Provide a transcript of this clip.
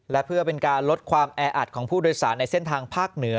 และเพื่อเป็นการลดความแออัดของผู้โดยสารในเส้นทางภาคเหนือ